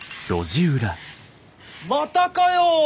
またかよ！